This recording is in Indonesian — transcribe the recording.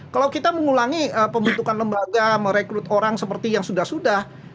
kalau kita mengulangi pembentukan lembaga merekrut orang seperti yang sudah sudah